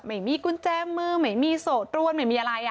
ไม่มีกุญแจมือไม่มีโสดรวนไม่มีอะไร